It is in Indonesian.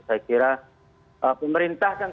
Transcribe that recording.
saya kira pemerintah kan